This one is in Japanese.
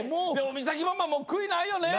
美咲ママも悔いないよね？